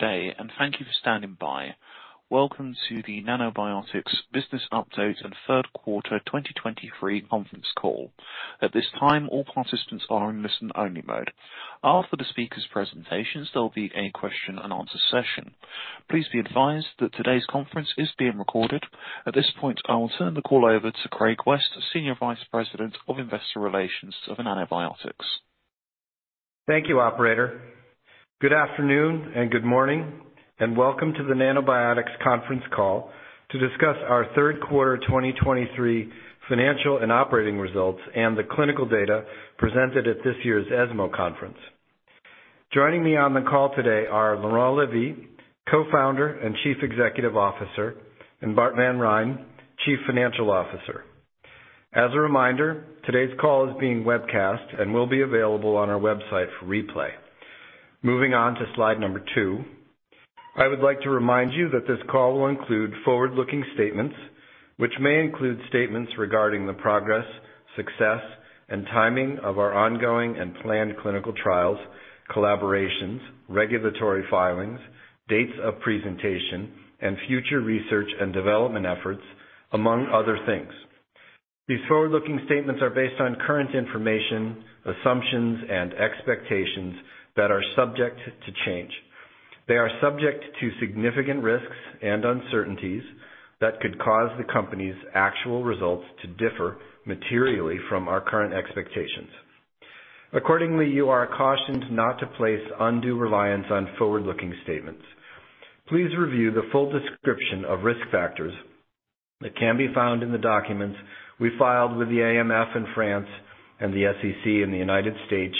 Good day, and thank you for standing by. Welcome to the Nanobiotix Business Update and Third Quarter 2023 conference call. At this time, all participants are in listen-only mode. After the speakers' presentations, there will be a question and answer session. Please be advised that today's conference is being recorded. At this point, I will turn the call over to Craig West, Senior Vice President of Investor Relations of Nanobiotix. Thank you, operator. Good afternoon and good morning, and welcome to the Nanobiotix conference call to discuss our third quarter 2023 financial and operating results and the clinical data presented at this year's ESMO conference. Joining me on the call today are Laurent Lévy, Co-founder and Chief Executive Officer, and Bart van Rhijn, Chief Financial Officer. As a reminder, today's call is being webcast and will be available on our website for replay. Moving on to slide number two. I would like to remind you that this call will include forward-looking statements, which may include statements regarding the progress, success, and timing of our ongoing and planned clinical trials, collaborations, regulatory filings, dates of presentation, and future research and development efforts, among other things. These forward-looking statements are based on current information, assumptions, and expectations that are subject to change. They are subject to significant risks and uncertainties that could cause the company's actual results to differ materially from our current expectations. Accordingly, you are cautioned not to place undue reliance on forward-looking statements. Please review the full description of risk factors that can be found in the documents we filed with the AMF in France and the SEC in the United States,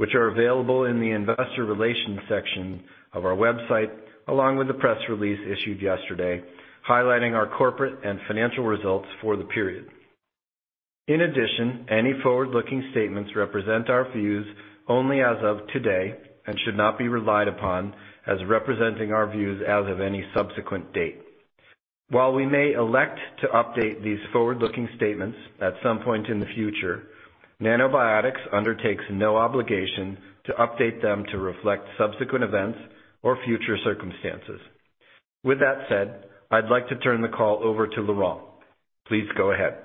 which are available in the investor relations section of our website, along with the press release issued yesterday, highlighting our corporate and financial results for the period. In addition, any forward-looking statements represent our views only as of today and should not be relied upon as representing our views as of any subsequent date. While we may elect to update these forward-looking statements at some point in the future, Nanobiotix undertakes no obligation to update them to reflect subsequent events or future circumstances. With that said, I'd like to turn the call over to Laurent. Please go ahead.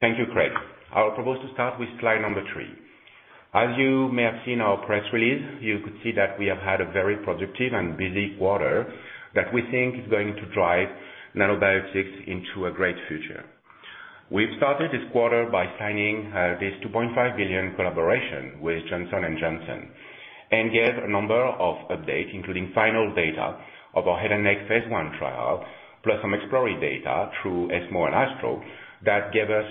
Thank you, Craig. I'll propose to start with slide number three. As you may have seen our press release, you could see that we have had a very productive and busy quarter that we think is going to drive Nanobiotix into a great future. We've started this quarter by signing this $2.5 billion collaboration with Johnson & Johnson and gave a number of updates, including final data of our head and neck phase I trial, plus some exploratory data through ESMO and ASTRO that gave us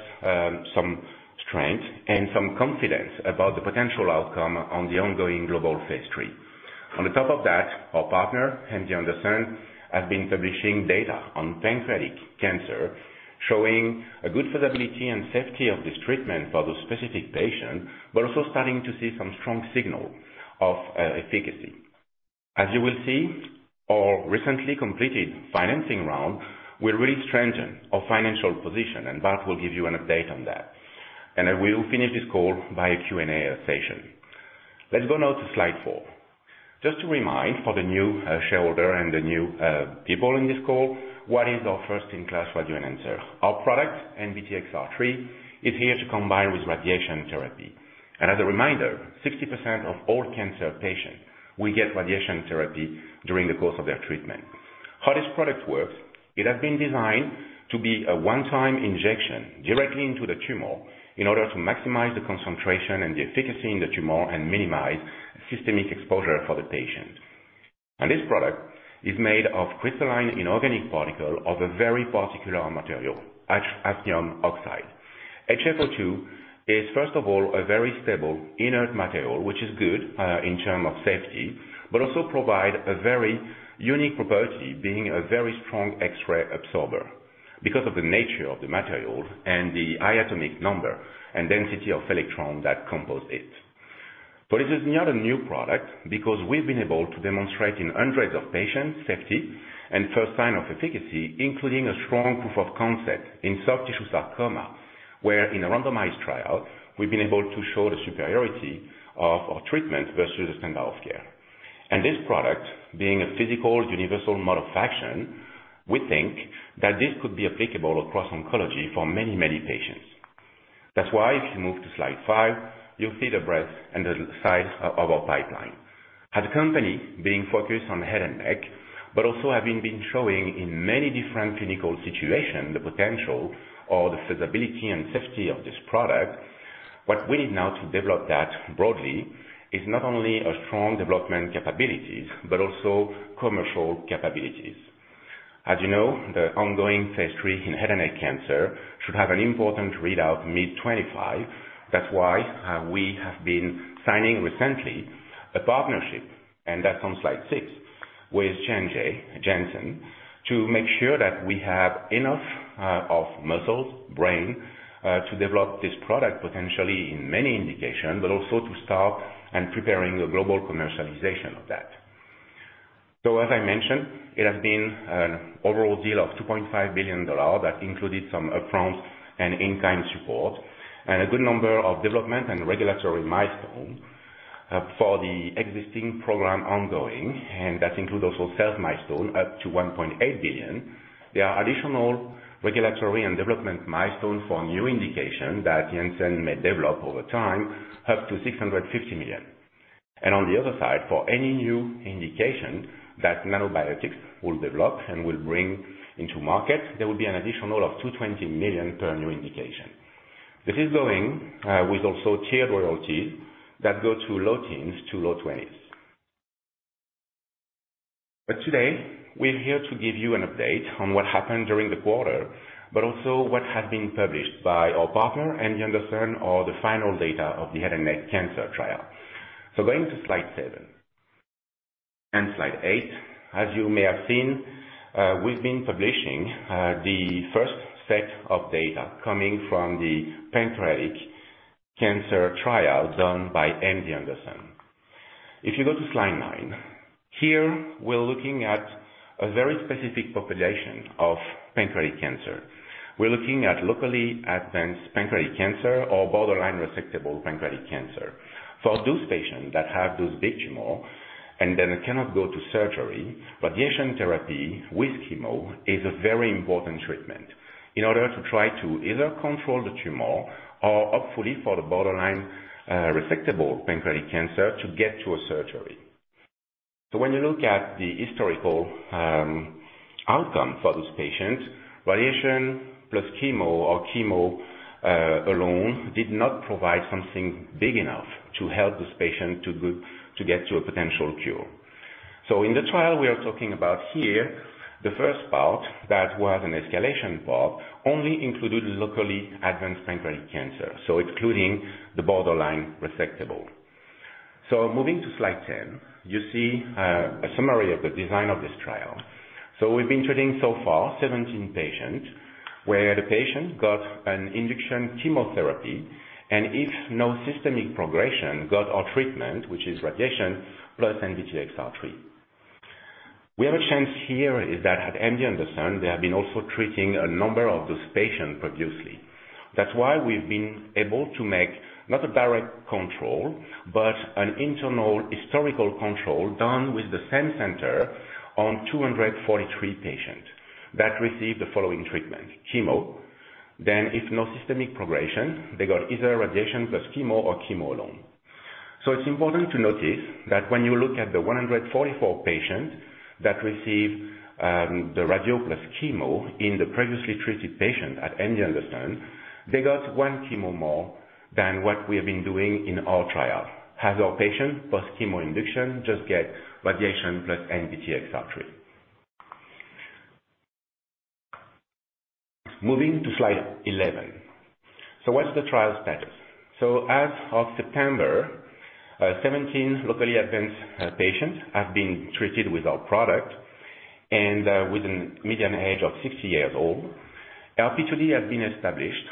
some strength and some confidence about the potential outcome on the ongoing global phase III. On top of that, our partner, MD Anderson, has been publishing data on pancreatic cancer, showing a good feasibility and safety of this treatment for those specific patients, but also starting to see some strong signal of efficacy. As you will see, our recently completed financing round will really strengthen our financial position, and Bart will give you an update on that. I will finish this call by a Q&A session. Let's go now to slide four. Just to remind for the new shareholder and the new people in this call, what is our first-in-class radioenhancer? Our product, NBTXR3, is here to combine with radiation therapy. As a reminder, 60% of all cancer patients will get radiation therapy during the course of their treatment. How this product works, it has been designed to be a one-time injection directly into the tumor in order to maximize the concentration and the efficacy in the tumor and minimize systemic exposure for the patient. This product is made of crystalline inorganic particle of a very particular material, hafnium oxide. HfO2 is first of all a very stable inert material, which is good in terms of safety, but also provides a very unique property, being a very strong X-ray absorber because of the nature of the material and the high atomic number and density of electrons that compose it. But this is not a new product because we've been able to demonstrate in hundreds of patients safety and first sign of efficacy, including a strong proof of concept in soft tissue sarcoma, where in a randomized trial, we've been able to show the superiority of our treatment versus the standard of care. And this product, being a physical, universal mode of action, we think that this could be applicable across oncology for many, many patients. That's why if you move to slide five, you'll see the breadth and the size of our pipeline. As a company being focused on head and neck, but also having been showing in many different clinical situations, the potential or the feasibility and safety of this product, what we need now to develop that broadly is not only a strong development capabilities, but also commercial capabilities. As you know, the ongoing phase III in head and neck cancer should have an important readout mid-2025. That's why, we have been signing recently a partnership, and that's on slide six, with J&J, Johnson & Johnson, to make sure that we have enough, of muscle, brain, to develop this product potentially in many indications, but also to start and preparing a global commercialization of that. As I mentioned, it has been an overall deal of $2.5 billion that included some upfront and in-kind support, and a good number of development and regulatory milestones, for the existing program ongoing, and that includes also sales milestones up to $1.8 billion. There are additional regulatory and development milestones for new indications that Janssen may develop over time, up to $650 million. And on the other side, for any new indication that Nanobiotix will develop and will bring into market, there will be an additional $220 million per new indication. This is going, with also tiered royalties that go to low teens to low twenties. But today, we're here to give you an update on what happened during the quarter, but also what has been published by our partner, MD Anderson, or the final data of the head and neck cancer trial. So going to slide seven, and slide eight. As you may have seen, we've been publishing the first set of data coming from the pancreatic cancer trial done by MD Anderson. If you go to slide nine, here, we're looking at a very specific population of pancreatic cancer. We're looking at locally advanced pancreatic cancer or borderline resectable pancreatic cancer. For those patients that have those big tumor, and then they cannot go to surgery, radiation therapy with chemo is a very important treatment in order to try to either control the tumor or hopefully for the borderline resectable pancreatic cancer, to get to a surgery. So when you look at the historical outcome for those patients, radiation plus chemo or chemo alone, did not provide something big enough to help this patient to get to a potential cure. So in the trial we are talking about here, the first part, that was an escalation part, only included locally advanced pancreatic cancer, so excluding the borderline resectable. So moving to slide 10, you see a summary of the design of this trial. So we've been treating so far 17 patients, where the patient got an induction chemotherapy, and if no systemic progression, got our treatment, which is radiation, plus NBTXR3. We have a chance here is that at MD Anderson, they have been also treating a number of those patients previously. That's why we've been able to make not a direct control, but an internal historical control done with the same center on 243 patients that received the following treatment: chemo, then if no systemic progression, they got either radiation plus chemo or chemo alone. So it's important to notice that when you look at the 144 patients that received the radio plus chemo in the previously treated patient at MD Anderson, they got one chemo more than what we have been doing in our trial. As our patients, post chemo induction, just get radiation plus NBTXR3. Moving to slide 11. So what's the trial status? So as of September 17 locally advanced patients have been treated with our product, and with a median age of 60 years old. RP2D has been established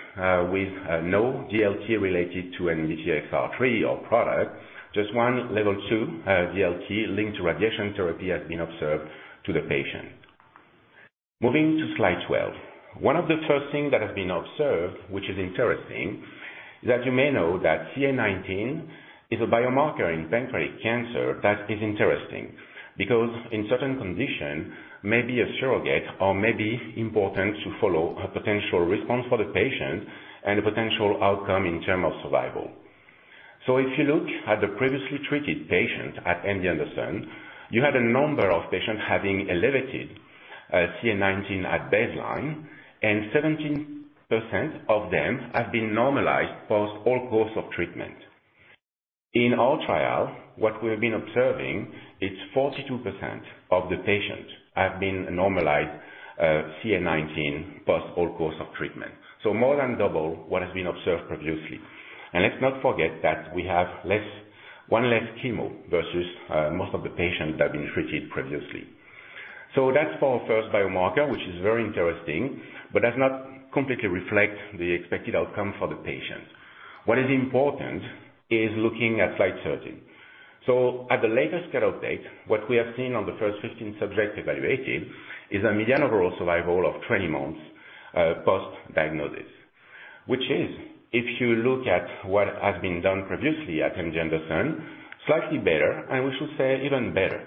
with no DLT related to NBTXR3, our product, just one level 2 DLT linked to radiation therapy has been observed to the patient. Moving to slide 12. One of the first things that has been observed, which is interesting, is that you may know that CA19-9 is a biomarker in pancreatic cancer that is interesting, because in certain conditions, may be a surrogate or may be important to follow a potential response for the patient and a potential outcome in terms of survival. So if you look at the previously treated patients at MD Anderson, you had a number of patients having elevated CA19-9 at baseline, and 17% of them have been normalized post all course of treatment. In our trial, what we have been observing is 42% of the patients have been normalized, CA19-9 post all course of treatment. So more than double what has been observed previously. And let's not forget that we have less, one less chemo versus, most of the patients that have been treated previously. So that's for first biomarker, which is very interesting, but does not completely reflect the expected outcome for the patient. What is important is looking at slide 13. So at the latest data update, what we have seen on the first 15 subjects evaluated, is a median overall survival of 20 months, post diagnosis. Which is, if you look at what has been done previously at MD Anderson, slightly better, and we should say even better.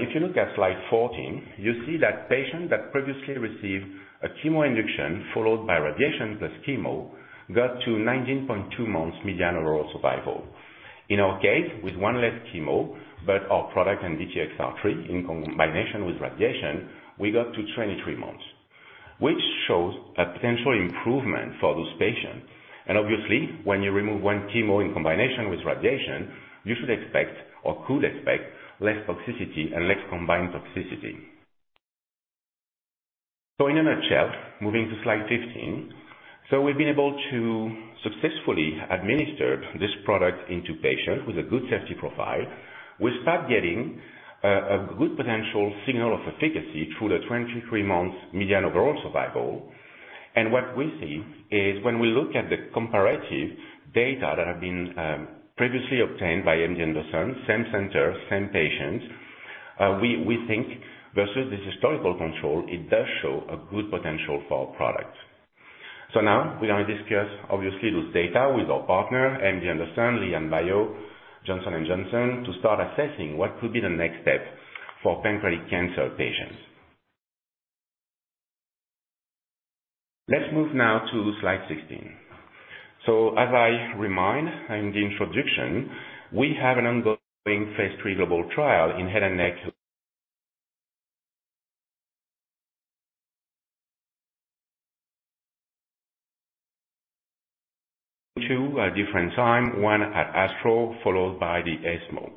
If you look at slide 14, you see that patients that previously received a chemo induction followed by radiation plus chemo, got to 19.2 months median overall survival. In our case, with one less chemo, but our product NBTXR3 in combination with radiation, we got to 23 months, which shows a potential improvement for those patients. And obviously, when you remove one chemo in combination with radiation, you should expect or could expect less toxicity and less combined toxicity. So in a nutshell, moving to slide 15. So we've been able to successfully administer this product into patients with a good safety profile. We start getting a good potential signal of efficacy through the 23 months median overall survival. What we see is when we look at the comparative data that have been previously obtained by MD Anderson, same center, same patients, we think versus the historical control, it does show a good potential for our product. So now we are going to discuss, obviously, this data with our partner, MD Anderson, LianBio, Johnson & Johnson, to start assessing what could be the next step for pancreatic cancer patients. Let's move now to slide 16. So as I remind in the introduction, we have an ongoing phase III global trial in head and neck too at different times, one at ASTRO, followed by the ESMO.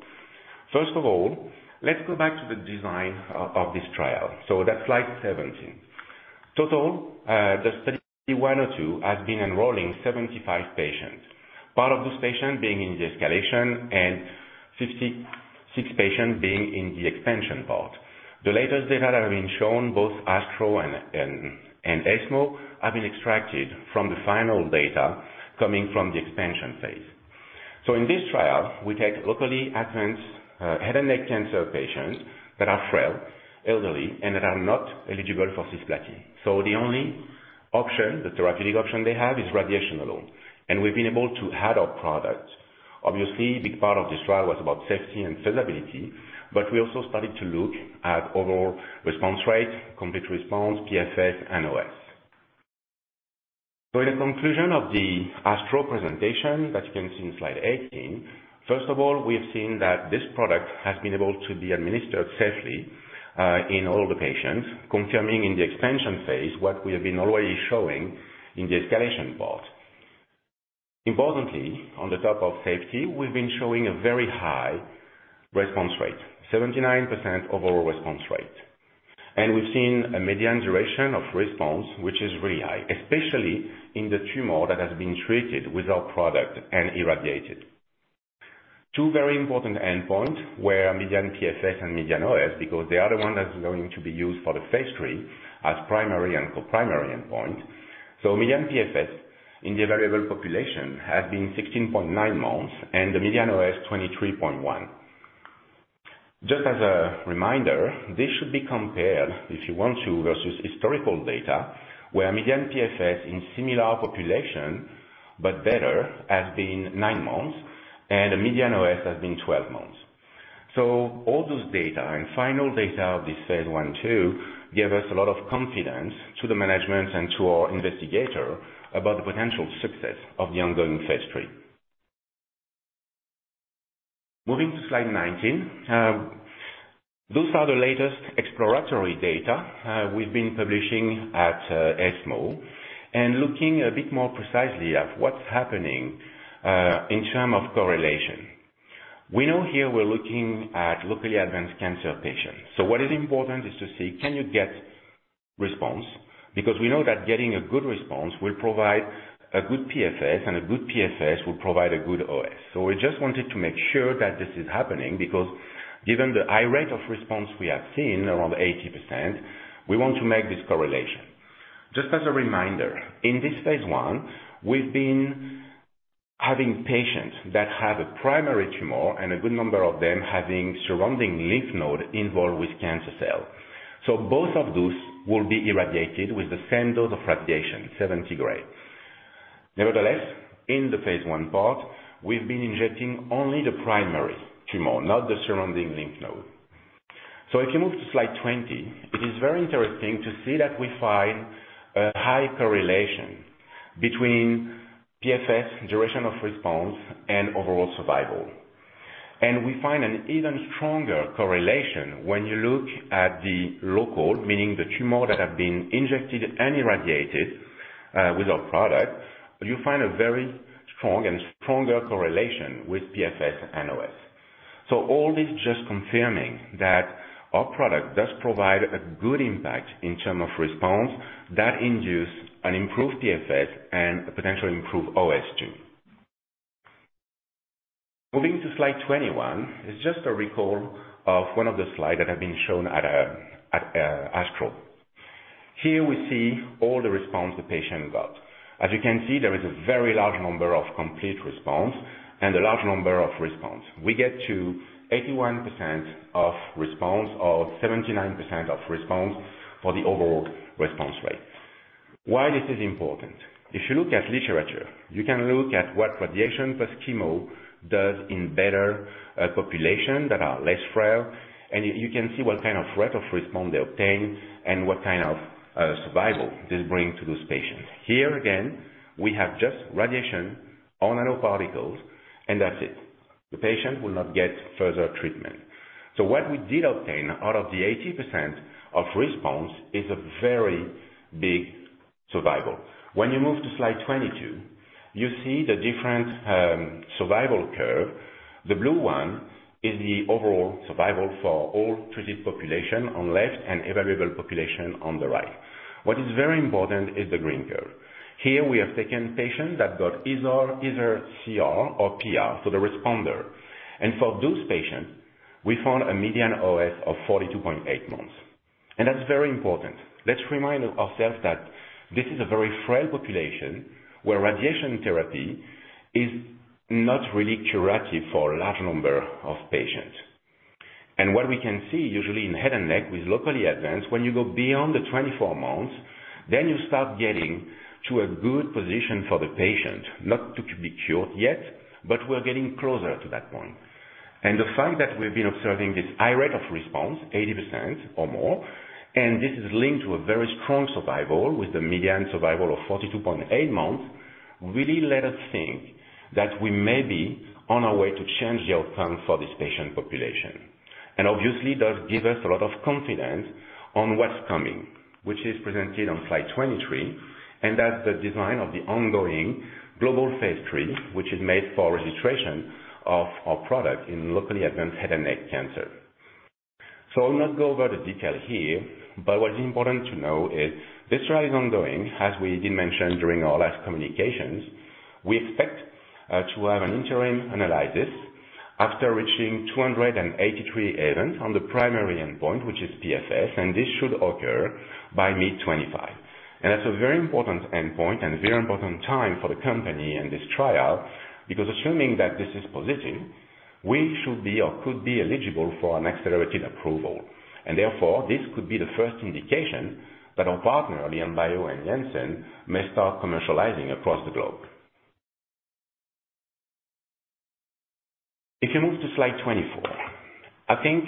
First of all, let's go back to the design of this trial. So that's slide 17. Total, the Study 102 has been enrolling 75 patients. Part of those patients being in the escalation and 56 patients being in the expansion part. The latest data that have been shown, both ASTRO and ESMO, have been extracted from the final data coming from the expansion phase. So in this trial, we take locally advanced head and neck cancer patients that are frail, elderly, and that are not eligible for cisplatin. So the only option, the therapeutic option they have, is radiation alone, and we've been able to add our product. Obviously, big part of this trial was about safety and stability, but we also started to look at overall response rate, complete response, PFS, and OS. So in the conclusion of the ASTRO presentation, that you can see in slide 18, first of all, we have seen that this product has been able to be administered safely in all the patients, confirming in the expansion phase what we have been already showing in the escalation part. Importantly, on the top of safety, we've been showing a very high response rate, 79% overall response rate. And we've seen a median duration of response, which is really high, especially in the tumor that has been treated with our product and irradiated. Two very important endpoint were median PFS and median OS, because they are the ones that are going to be used for the phase III as primary and co-primary endpoint. So median PFS in the evaluable population has been 16.9 months, and the median OS, 23.1. Just as a reminder, this should be compared, if you want to, versus historical data, where median PFS in similar population, but better, has been nine months, and the median OS has been 12 months. So all those data and final data of this phase I/II give us a lot of confidence to the management and to our investigator about the potential success of the ongoing phase III. Moving to slide 19. Those are the latest exploratory data we've been publishing at ESMO, and looking a bit more precisely at what's happening in term of correlation. We know here we're looking at locally advanced cancer patients. So what is important is to see can you get response? Because we know that getting a good response will provide a good PFS, and a good PFS will provide a good OS. So we just wanted to make sure that this is happening, because given the high rate of response we have seen, around 80%, we want to make this correlation. Just as a reminder, in this phase I, we've been having patients that have a primary tumor, and a good number of them having surrounding lymph node involved with cancer cell. So both of those will be irradiated with the same dose of radiation, 70 gray. Nevertheless, in the phase I part, we've been injecting only the primary tumor, not the surrounding lymph node. So if you move to slide 20, it is very interesting to see that we find a high correlation between PFS, duration of response, and overall survival. And we find an even stronger correlation when you look at the local, meaning the tumor that have been injected and irradiated with our product, you find a very strong and stronger correlation with PFS and OS. So all this just confirming that our product does provide a good impact in terms of response, that induce an improved PFS and potentially improve OS, too. Moving to slide 21, is just a recall of one of the slides that have been shown at ASTRO. Here we see all the response the patient got. As you can see, there is a very large number of complete response and a large number of response. We get to 81% of response, or 79% of response, for the overall response rate. Why this is important? If you look at literature, you can look at what radiation plus chemo does in better population that are less frail, and you can see what kind of rate of response they obtain and what kind of survival this bring to those patients. Here, again, we have just radiation on nanoparticles, and that's it. The patient will not get further treatment. So what we did obtain out of the 80% of response is a very big survival. When you move to slide 22, you see the different survival curve. The blue one is the overall survival for all treated population on left, and evaluable population on the right. What is very important is the green curve. Here we have taken patients that got either CR or PR, so the responder. For those patients, we found a median OS of 42.8 months, and that's very important. Let's remind ourselves that this is a very frail population, where radiation therapy is not really curative for a large number of patients. What we can see, usually in head and neck, with locally advanced, when you go beyond the 24 months, then you start getting to a good position for the patient. Not to be cured yet, but we're getting closer to that point. The fact that we've been observing this high rate of response, 80% or more, and this is linked to a very strong survival, with a median survival of 42.8 months, really let us think that we may be on our way to change the outcome for this patient population. And obviously, does give us a lot of confidence on what's coming, which is presented on slide 23, and that's the design of the ongoing global phase III, which is made for registration of our product in locally advanced head and neck cancer. So I'll not go over the detail here, but what's important to know is this trial is ongoing, as we did mention during our last communications. We expect to have an interim analysis after reaching 283 events on the primary endpoint, which is PFS, and this should occur by mid-2025. And that's a very important endpoint and very important time for the company and this trial, because assuming that this is positive, we should be or could be eligible for an accelerated approval. And therefore, this could be the first indication that our partner, Janssen, may start commercializing across the globe. If you move to slide 24, I think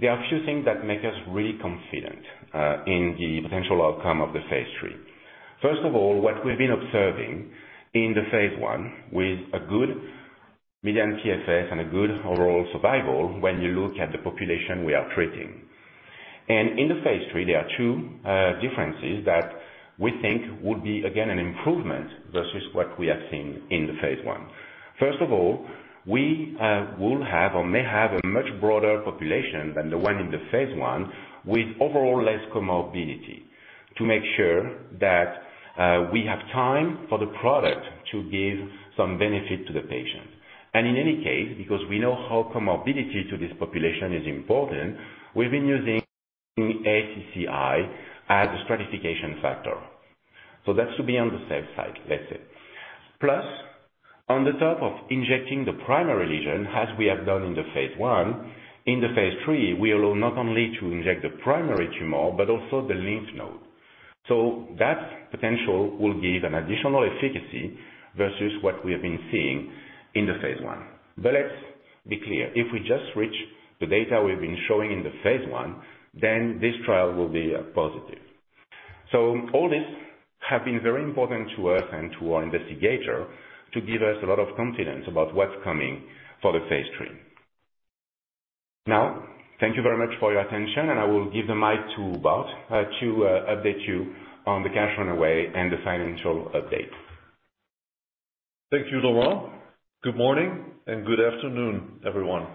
there are a few things that make us really confident in the potential outcome of the phase III. First of all, what we've been observing in the phase I, with a good median PFS and a good overall survival when you look at the population we are treating. In the phase III, there are two differences that we think would be, again, an improvement versus what we have seen in the phase I. First of all, we will have or may have a much broader population than the one in the phase I, with overall less comorbidity, to make sure that we have time for the product to give some benefit to the patient. In any case, because we know how comorbidity to this population is important, we've been using ACCI as a stratification factor. So that should be on the safe side, let's say. Plus, on top of injecting the primary lesion, as we have done in the phase I, in the phase III, we allow not only to inject the primary tumor, but also the lymph node. So that potential will give an additional efficacy versus what we have been seeing in the phase I. But let's be clear, if we just reach the data we've been showing in the phase I, then this trial will be positive. So all this have been very important to us and to our investigator to give us a lot of confidence about what's coming for the phase III. Now, thank you very much for your attention, and I will give the mic to Bart to update you on the cash runway and the financial update. Thank you, Laurent. Good morning and good afternoon, everyone.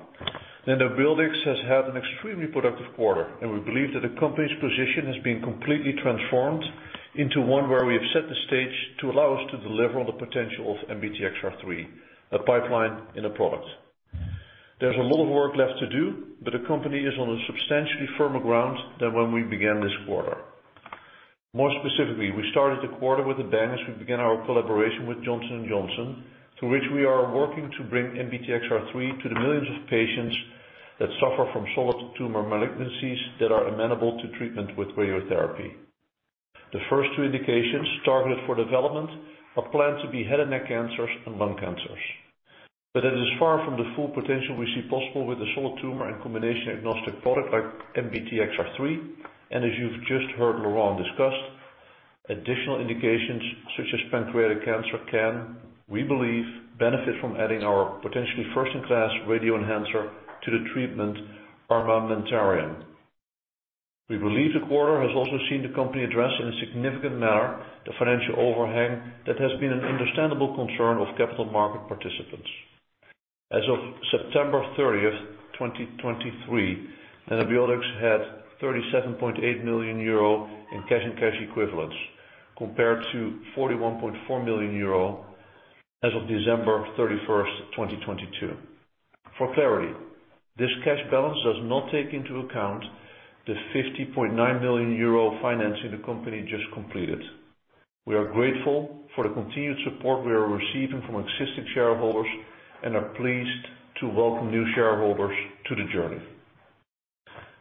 Nanobiotix has had an extremely productive quarter, and we believe that the company's position has been completely transformed into one where we have set the stage to allow us to deliver on the potential of NBTXR3, a pipeline and a product. There's a lot of work left to do, but the company is on a substantially firmer ground than when we began this quarter. More specifically, we started the quarter with a bang as we began our collaboration with Johnson & Johnson, through which we are working to bring NBTXR3 to the millions of patients that suffer from solid tumor malignancies that are amenable to treatment with radiotherapy. The first two indications targeted for development are planned to be head and neck cancers and lung cancers. But it is far from the full potential we see possible with a solid tumor and combination-agnostic product like NBTXR3. As you've just heard Laurent discuss, additional indications such as pancreatic cancer can, we believe, benefit from adding our potentially first-in-class radio enhancer to the treatment armamentarium. We believe the quarter has also seen the company address, in a significant manner, the financial overhang that has been an understandable concern of capital market participants. As of September 30, 2023, Nanobiotix had 37.8 million euro in cash and cash equivalents, compared to 41.4 million euro as of December 31, 2022. For clarity, this cash balance does not take into account the 50.9 million euro financing the company just completed. We are grateful for the continued support we are receiving from existing shareholders and are pleased to welcome new shareholders to the journey.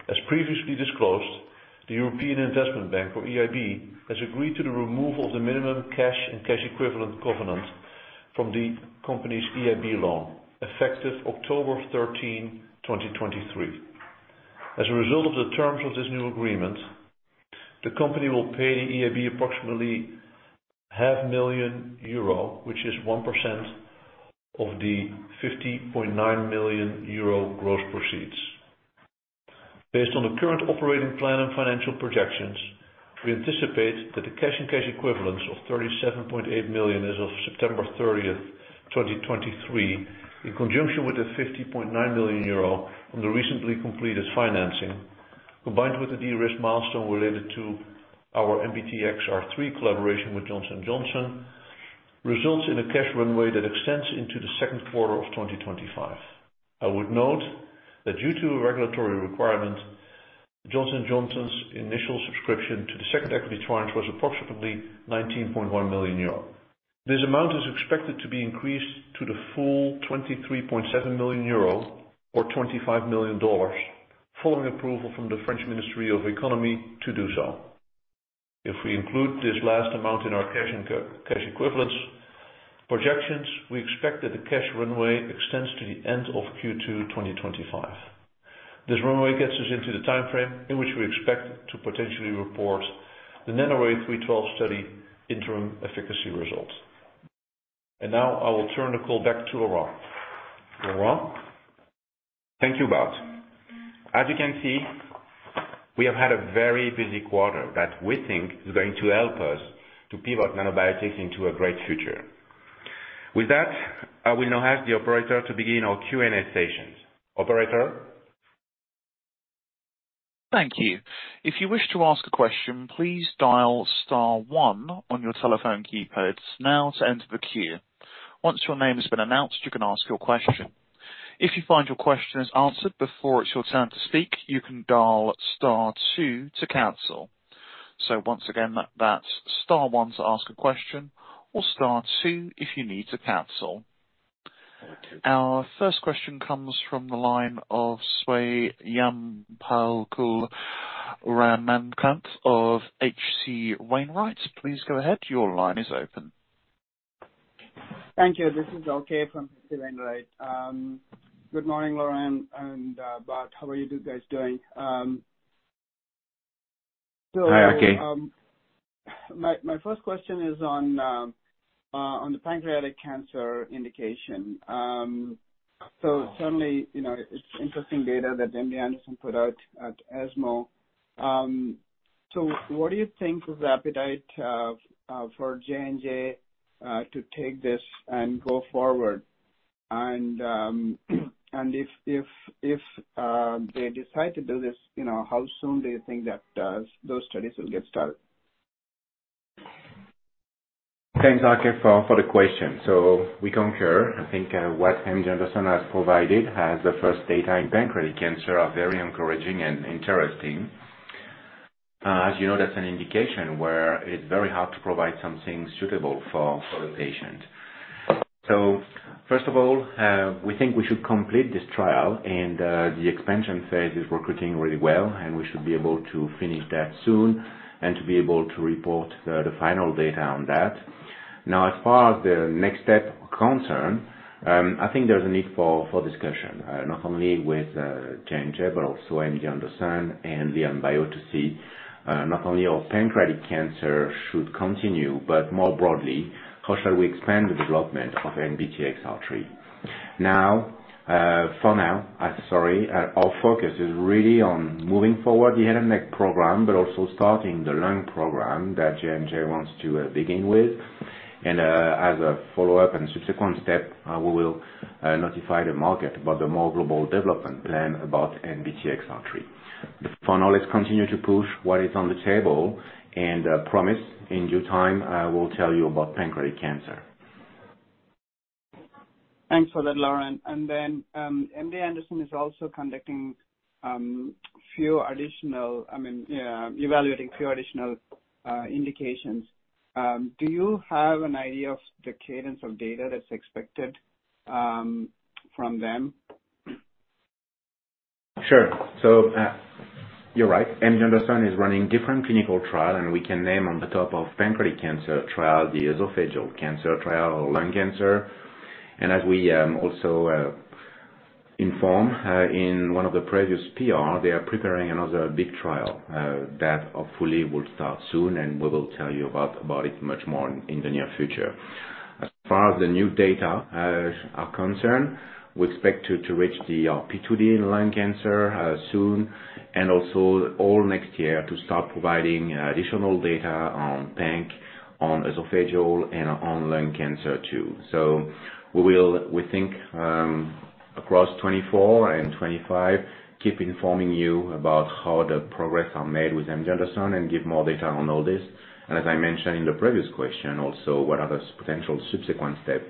As previously disclosed, the European Investment Bank, or EIB, has agreed to the removal of the minimum cash and cash equivalent covenant from the company's EIB loan, effective October 13, 2023. As a result of the terms of this new agreement, the company will pay EIB approximately 500,000 euro, which is 1% of the 50.9 million euro gross proceeds. Based on the current operating plan and financial projections, we anticipate that the cash and cash equivalents of 37.8 million as of September 30th, 2023, in conjunction with the 50.9 million euro from the recently completed financing, combined with the de-risk milestone related to our NBTXR3 collaboration with Johnson & Johnson, results in a cash runway that extends into the second quarter of 2025. I would note that due to a regulatory requirement, Johnson & Johnson's initial subscription to the second equity tranche was approximately 19.1 million euro. This amount is expected to be increased to the full 23.7 million euro or $25 million, following approval from the French Ministry of Economy to do so. If we include this last amount in our cash and cash equivalents projections, we expect that the cash runway extends to the end of Q2 2025. This runway gets us into the timeframe in which we expect to potentially report the NANORAY-312 study interim efficacy results. And now I will turn the call back to Laurent. Laurent? Thank you, Bart. As you can see, we have had a very busy quarter that we think is going to help us to pivot Nanobiotix into a great future. With that, I will now ask the operator to begin our Q&A session. Operator? Thank you. If you wish to ask a question, please dial star one on your telephone keypads now to enter the queue. Once your name has been announced, you can ask your question. If you find your question is answered before it's your turn to speak, you can dial star two to cancel. So once again, that's star one to ask a question or star two if you need to cancel. Our first question comes from the line of Swayampakula Ramakanth of HC Wainwright. Please go ahead. Your line is open. Thank you. This is RK from Wainwright. Good morning, Laurent and Bart. How are you guys doing? Hi, RK. So, my first question is on the pancreatic cancer indication. So certainly, you know, it's interesting data that MD Anderson put out at ESMO. So what do you think is the appetite for J&J to take this and go forward? And if they decide to do this, you know, how soon do you think that those studies will get started? Thanks, RK, for the question. So we concur. I think what MD Anderson has provided as the first data in pancreatic cancer are very encouraging and interesting. As you know, that's an indication where it's very hard to provide something suitable for the patient. So first of all, we think we should complete this trial, and the expansion phase is recruiting really well, and we should be able to finish that soon and to be able to report the final data on that. Now, as far as the next step concern, I think there's a need for discussion, not only with J&J, but also MD Anderson and Nanobiotix. Not only our pancreatic cancer should continue, but more broadly, how shall we expand the development of NBTXR3? Now, for now, sorry, our focus is really on moving forward the head and neck program, but also starting the lung program that J&J wants to begin with. And, as a follow-up and subsequent step, we will notify the market about the more global development plan about NBTXR3. But for now, let's continue to push what is on the table, and promise in due time, I will tell you about pancreatic cancer. Thanks for that, Laurent. And then, MD Anderson is also evaluating few additional indications. Do you have an idea of the cadence of data that's expected from them? Sure. So, you're right. MD Anderson is running different clinical trial, and we can name on the top of pancreatic cancer trial, the esophageal cancer trial or lung cancer. And as we also inform in one of the previous PR, they are preparing another big trial that hopefully will start soon, and we will tell you about it much more in the near future. As far as the new data are concerned, we expect to reach the RP2D in lung cancer soon, and also all next year, to start providing additional data on panc, on esophageal, and on lung cancer, too. So we will, we think, across 2024 and 2025, keep informing you about how the progress are made with MD Anderson and give more data on all this. As I mentioned in the previous question, also, what are the potential subsequent step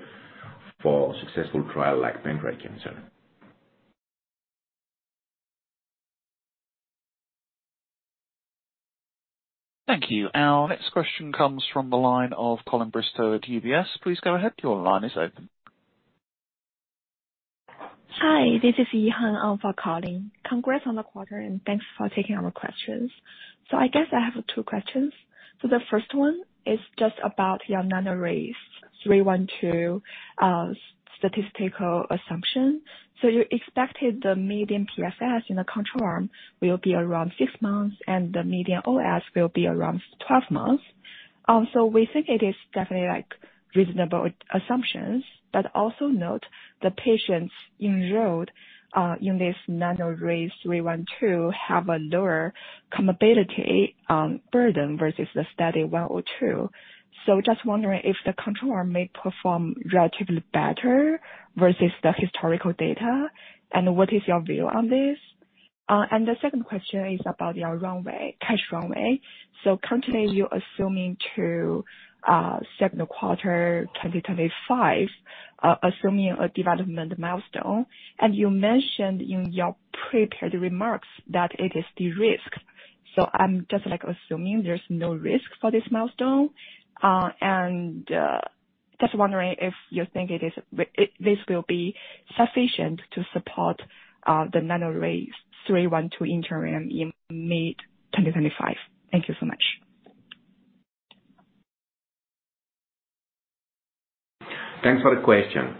for successful trial like pancreatic cancer? Thank you. Our next question comes from the line of Colin Bristow at UBS. Please go ahead. Your line is open. Hi, this is Yihan on for Colin. Congrats on the quarter, and thanks for taking our questions. So I guess I have two questions. So the first one is just about your NANORAY-312 statistical assumption. So you expected the median PFS in the control arm will be around six months, and the median OS will be around twelve months. So we think it is definitely, like, reasonable assumptions, but also note the patients enrolled in this NANORAY-312 have a lower comorbidity burden versus the Study 102. So just wondering if the control arm may perform relatively better versus the historical data, and what is your view on this? And the second question is about your runway, cash runway. So currently, you're assuming to Q2 2025, assuming a development milestone, and you mentioned in your prepared remarks that it is de-risked. So I'm just, like, assuming there's no risk for this milestone. And just wondering if you think it, this will be sufficient to support the NANORAY-312 interim in mid-2025. Thank you so much. Thanks for the question.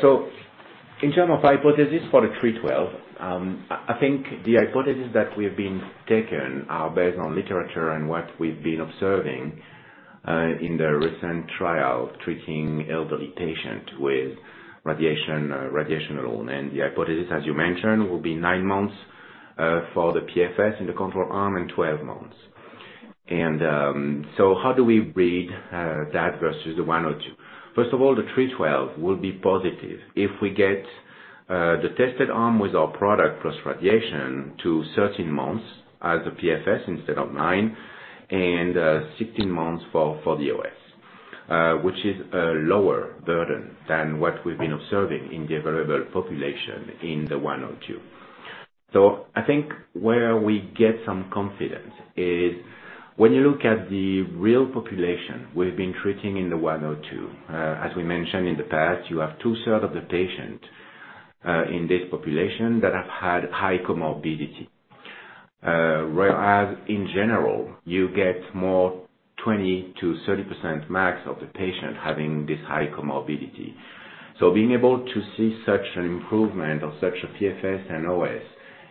So in terms of hypothesis for the 312, I think the hypothesis that we've been taking are based on literature and what we've been observing in the recent trial, treating elderly patient with radiation, radiation alone. And the hypothesis, as you mentioned, will be nine months for the PFS in the control arm, and 12 months. And so how do we read that versus the 102? First of all, the 312 will be positive if we get the tested arm with our product, plus radiation, to 13 months as a PFS instead of 9, and 16 months for the OS. Which is a lower burden than what we've been observing in the available population in the 102. So I think where we get some confidence is when you look at the real population we've been treating in the 102, as we mentioned in the past, you have two-thirds of the patients in this population that have had high comorbidity. Whereas in general, you get more 20% to 30% max of the patients having this high comorbidity. So being able to see such an improvement or such a PFS and OS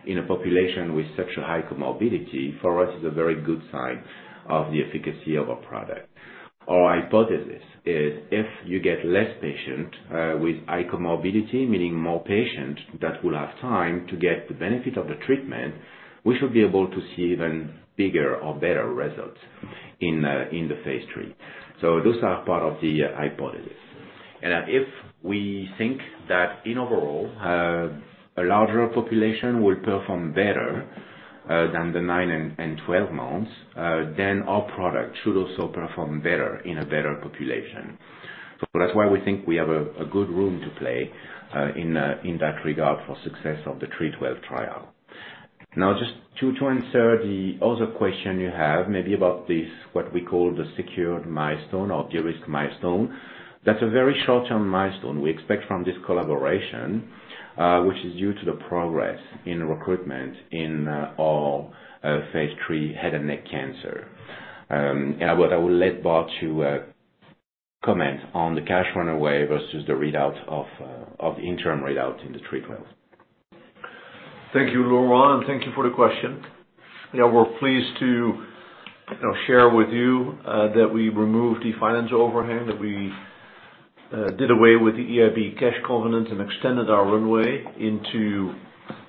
in a population with such a high comorbidity, for us, is a very good sign of the efficacy of our product. Our hypothesis is if you get fewer patients with high comorbidity, meaning more patients that will have time to get the benefit of the treatment, we should be able to see even bigger or better results in the phase III. So those are part of the hypothesis. And if we think that in overall, a larger population will perform better than the and 12 months, then our product should also perform better in a better population. So that's why we think we have a good room to play in that regard for success of the 312 trial. Now, just to answer the other question you have, maybe about this, what we call the secured milestone or de-risk milestone. That's a very short-term milestone we expect from this collaboration, which is due to the progress in recruitment in our phase III head and neck cancer. And I will let Bart comment on the cash runway versus the readout of the interim readout in the 312. Thank you, Lauren, and thank you for the question. Yeah, we're pleased to, you know, share with you that we removed the financial overhang, that we did away with the EIB cash covenant and extended our runway into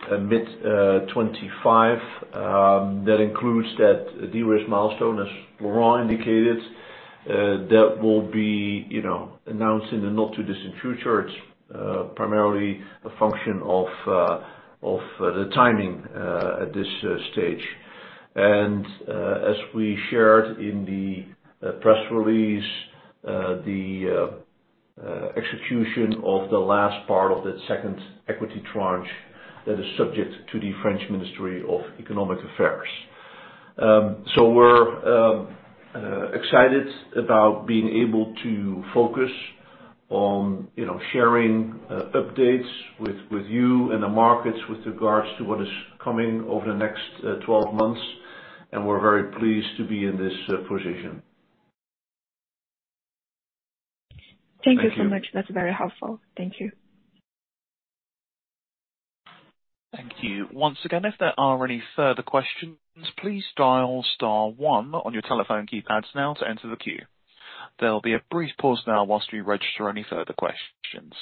mid-2025. That includes that de-risk milestone, as Lauren indicated, that will be, you know, announced in the not too distant future. It's primarily a function of the timing at this stage. And as we shared in the press release, the execution of the last part of the second equity tranche, that is subject to the French Ministry of Economic Affairs. So we're excited about being able to focus on, you know, sharing updates with you and the markets with regards to what is coming over the next 12 months. And we're very pleased to be in this position. Thank you so much. Thank you. That's very helpful. Thank you. Thank you. Once again, if there are any further questions, please dial star one on your telephone keypads now to enter the queue. There will be a brief pause now while we register any further questions.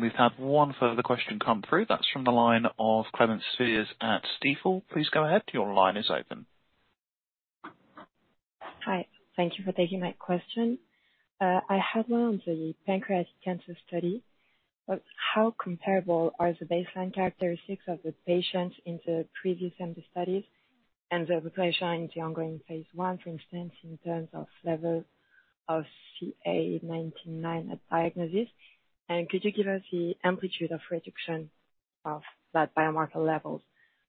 We've had one further question come through. That's from the line of Clémence Thiers at Stifel. Please go ahead. Your line is open. Hi. Thank you for taking my question. I had one on the pancreatic cancer study. How comparable are the baseline characteristics of the patients in the previous study and the population in the ongoing phase I, for instance, in terms of level of CA19-9 at diagnosis? And could you give us the amplitude of reduction of that biomarker levels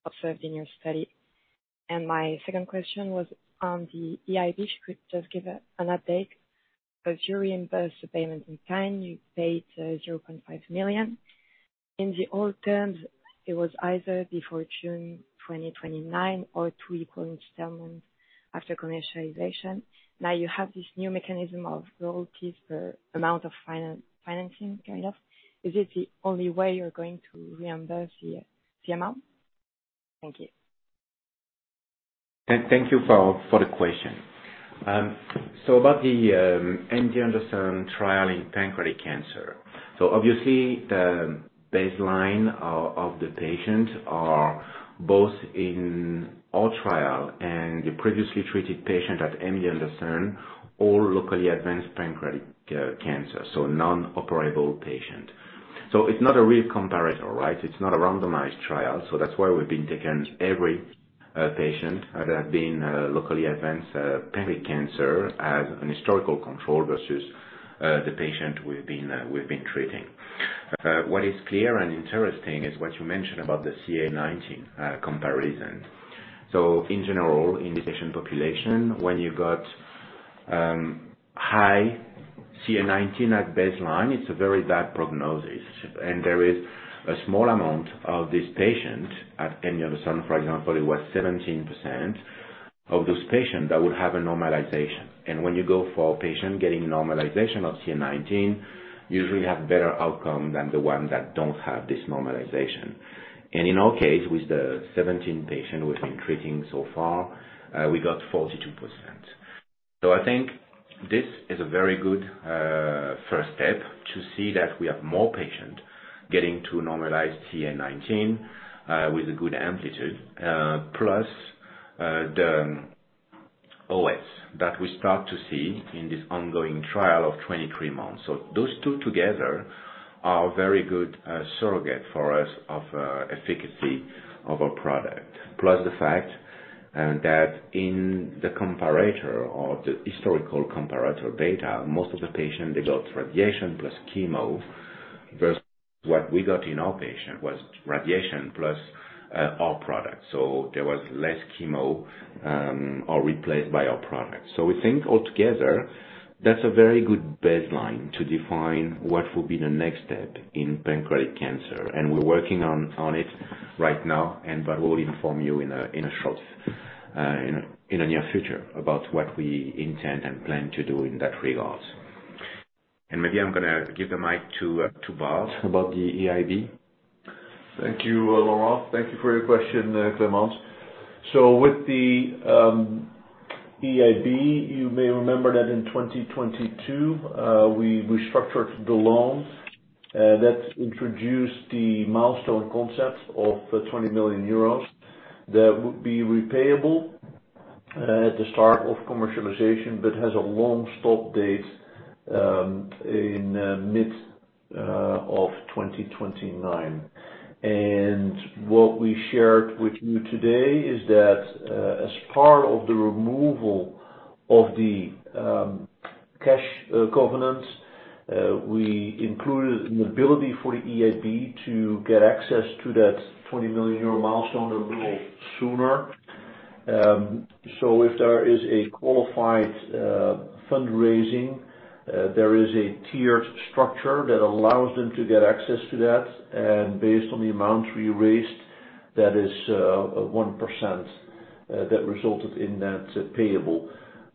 observed in your study? And my second question was on the EIB. If you could just give an update, but you reimburse the payment in kind. You paid 0.5 million. In the old terms, it was either before June 2029 or three equal installments after commercialization. Now, you have this new mechanism of royalties per amount of financing coming up. Is this the only way you're going to reimburse the amount? Thank you. Thank you for the question. So about the MD Anderson trial in pancreatic cancer. So obviously, the baseline of, of the patient are both in all trial and the previously treated patient at MD Anderson, all locally advanced pancreatic cancer, so non-operable patient. So it's not a real comparison, right? It's not a randomized trial, so that's why we've been taking every patient that have been locally advanced pancreatic cancer as an historical control versus the patient we've been treating. What is clear and interesting is what you mentioned about the CA19-9 comparison. So in general, in the patient population, when you've got high CA19-9 at baseline, it's a very bad prognosis, and there is a small amount of this patient at MD Anderson, for example, it was 17% of those patients that would have a normalization. And when you go for a patient getting normalization of CA19-9, usually have better outcome than the ones that don't have this normalization. And in our case, with the 17 patients we've been treating so far, we got 42%. So I think this is a very good first step to see that we have more patients getting to normalize CA19-9 with a good amplitude plus the OS that we start to see in this ongoing trial of 23 months. So those two together are very good surrogate for us of efficacy of our product. Plus, the fact that in the comparator or the historical comparator data, most of the patient they got radiation plus chemo versus what we got in our patient was radiation plus our product, so there was less chemo or replaced by our product. So we think all together, that's a very good baseline to define what will be the next step in pancreatic cancer, and we're working on it right now, and but we'll inform you in a short, in the near future about what we intend and plan to do in that regard. And maybe I'm gonna give the mic to Bart about the EIB. Thank you, Laurent. Thank you for your question there, Clemence. So with the EIB, you may remember that in 2022, we restructured the loan that introduced the milestone concept of 20 million euros. That would be repayable at the start of commercialization, but has a long stop date in mid-2029. And what we shared with you today is that, as part of the removal of the cash covenants, we included an ability for the EIB to get access to that 20 million euro milestone a little sooner. So if there is a qualified fundraising, there is a tiered structure that allows them to get access to that, and based on the amount we raised, that is 1%, that resulted in that payable.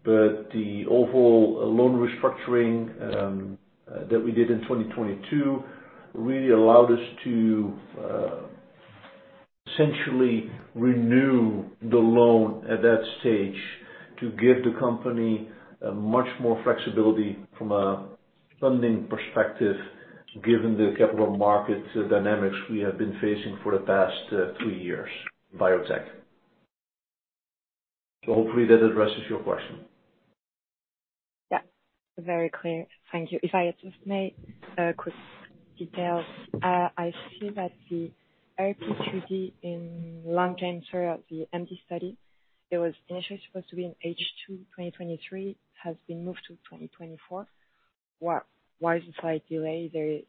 But the overall loan restructuring that we did in 2022 really allowed us to essentially renew the loan at that stage to give the company much more flexibility from a funding perspective, given the capital market dynamics we have been facing for the past three years in biotech. So hopefully that addresses your question. Yeah, very clear. Thank you. If I just may, quick details. I see that the RP2D in lung trial, the MD study, it was initially supposed to be in H2, 2023, has been moved to 2024. What-- Why is it late delay, there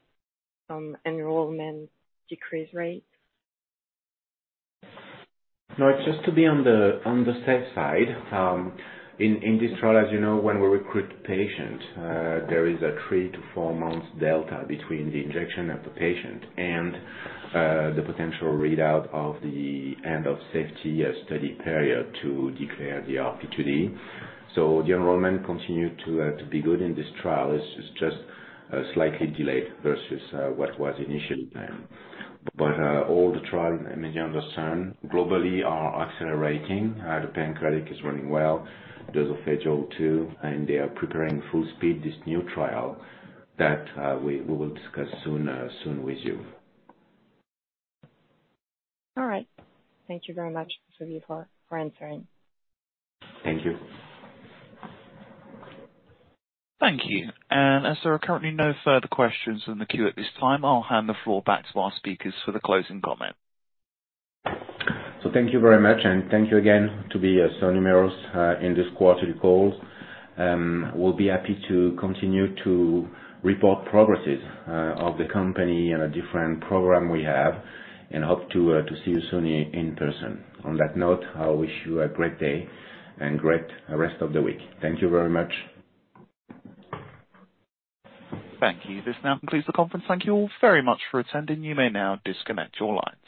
some enrollment decrease rate? No, it's just to be on the, on the safe side. In this trial, as you know, when we recruit patients, there is a 3- to 4-month delta between the injection of the patient and the potential readout of the end of safety study period to declare the RP2D. So the enrollment continued to be good in this trial. It's just slightly delayed versus what was initially planned. But all the trial at MD Anderson globally are accelerating. The pancreatic is running well, those of phase II, and they are preparing full speed this new trial that we will discuss soon with you. All right. Thank you very much for answering. Thank you. Thank you. As there are currently no further questions in the queue at this time, I'll hand the floor back to our speakers for the closing comment. So thank you very much, and thank you again to be so numerous in this quarterly call. We'll be happy to continue to report progresses of the company and a different program we have, and hope to see you soon in person. On that note, I wish you a great day and great rest of the week. Thank you very much. Thank you. This now concludes the conference. Thank you all very much for attending. You may now disconnect your line.